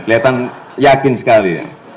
kelihatan yakin sekali ya